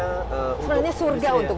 sebenarnya surga untuk